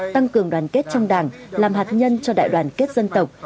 tăng cường đoàn kết trong đảng làm hạt nhân cho đại đoàn kết dân tộc